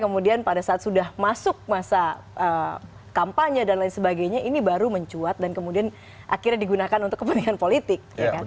kemudian pada saat sudah masuk masa kampanye dan lain sebagainya ini baru mencuat dan kemudian akhirnya digunakan untuk kepentingan politik